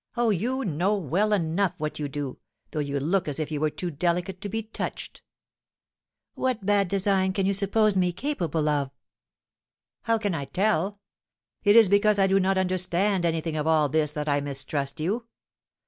"Oh, you know well enough what you do, though you look as if you were too delicate to be touched." "What bad design can you suppose me capable of?" "How can I tell? It is because I do not understand anything of all this that I mistrust you.